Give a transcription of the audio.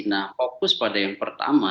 nah fokus pada yang pertama